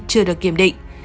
chưa được kiểm định